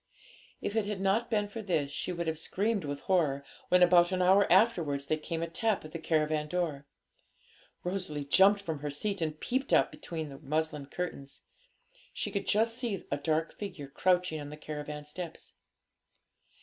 If it had not been for this, she would have screamed with horror when, about an hour afterwards, there came a tap at the caravan door. Rosalie jumped from her seat, and peeped out between the muslin curtains. She could just see a dark figure crouching on the caravan steps.